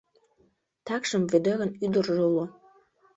Такшым Вӧдырын ӱдыржӧ уло.